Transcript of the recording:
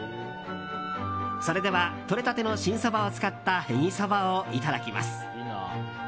それではとれたての新そばを使ったへぎそばをいただきます。